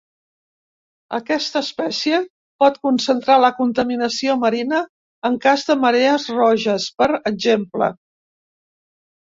Aquesta espècie pot concentrar la contaminació marina en cas de marees roges, per exemple.